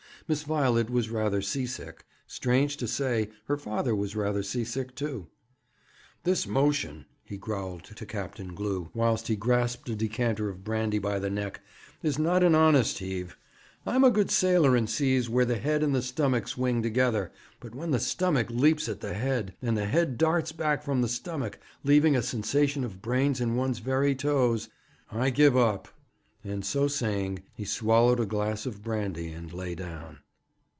Miss Violet was rather sea sick. Strange to say, her father was rather sea sick, too. 'This motion,' he growled to Captain Glew, whilst he grasped a decanter of brandy by the neck, 'is not an honest heave. I am a good sailor in seas where the head and the stomach swing together, but when the stomach leaps at the head, and the head darts back from the stomach, leaving a sensation of brains in one's very toes, I give up.' And so saying, he swallowed a glass of brandy, and lay down.